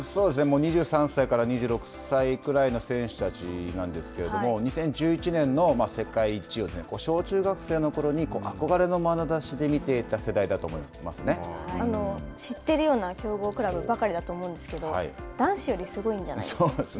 ２３歳から２６歳選手たちなんですけれども２０１１年の世界一を小・中学生のころに憧れのまなざしで見ていた知っているような強豪クラブばかりだと思うんですけど、男子よりすごいんじゃないですか。